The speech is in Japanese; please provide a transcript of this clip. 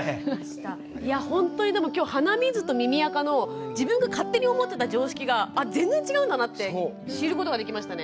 いやほんとにでも今日鼻水と耳あかの自分が勝手に思ってた常識が全然違うんだなって知ることができましたね。